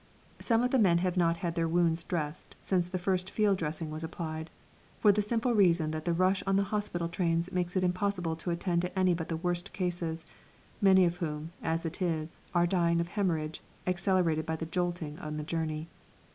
Some of the men have not had their wounds dressed since the first field dressing was applied, for the simple reason that the rush on the hospital trains makes it impossible to attend to any but the worst cases, many of whom, as it is, are dying of hæmorrhage, accelerated by the jolting on the journey.